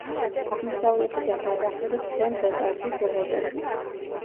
აღმოსავლეთიდან გადაჰყურებს სენ-გოტარდის უღელტეხილს.